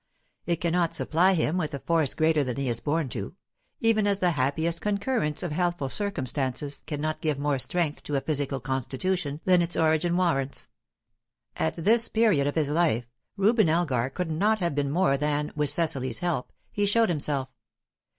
It cannot supply him with a force greater than he is born to; even as the happiest concurrence of healthful circumstances cannot give more strength to a physical constitution than its origin warrants. At this period of his life, Reuben Elgar could not have been more than, with Cecily's help, he showed himself.